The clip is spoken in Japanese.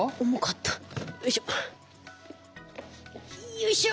よいしょ。